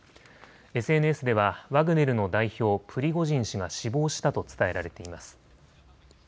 ＳＮＳではワグネルの代表、プリゴジン氏が死亡したと伝えられています。